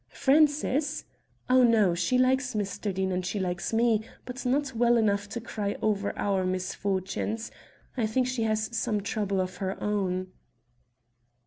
"Frances? Oh, no. She likes Mr. Deane and she likes me, but not well enough to cry over our misfortunes. I think she has some trouble of her own."